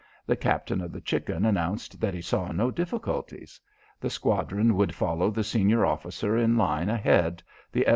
The captain of the Chicken announced that he saw no difficulties. The squadron would follow the senior officer in line ahead, the _S.